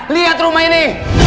lihat rumah ini